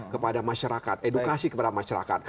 kepada masyarakat edukasi kepada masyarakat